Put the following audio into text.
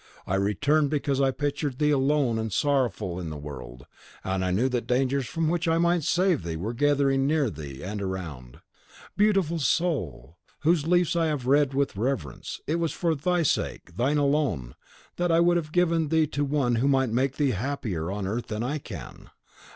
I returned, because I pictured thee alone and sorrowful in the world, and knew that dangers, from which I might save thee, were gathering near thee and around. Beautiful Soul! whose leaves I have read with reverence, it was for thy sake, thine alone, that I would have given thee to one who might make thee happier on earth than I can.